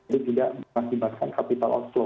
jadi tidak mengakibatkan capital outflow